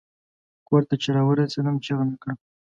کور ته چې را ورسیدم چیغه مې کړه.